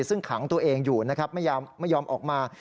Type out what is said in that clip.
ซึ่งขังตัวเองอยู่นะครับไม่ยอมออกมา